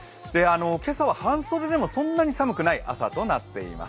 今朝は半袖でもそんなに寒くない朝となっています。